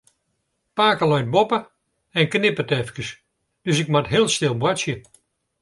Pake leit boppe en knipperet efkes, dus ik moat heel stil boartsje.